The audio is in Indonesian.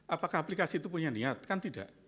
apakah aplikasi itu punya niat kan tidak